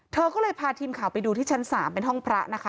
เธอก็เลยพาทีมข่าวไปดูที่ชั้น๓เป็นห้องพระนะคะ